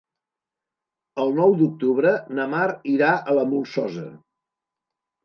El nou d'octubre na Mar irà a la Molsosa.